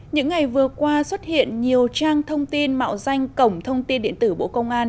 những ngày vừa qua xuất hiện nhiều trang thông tin mạo danh cổng thông tin điện tử bộ công an